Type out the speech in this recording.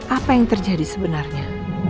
apa yang terjadi sebenarnya